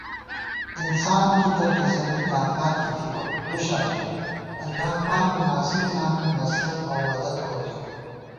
انسان کی تہ تسَنی تاقات کی تھِبہ ہُشاں ژِؤ * اللہ پاکہ ناصر زانِؤ نصرت اؤ مدد کوڅِؤ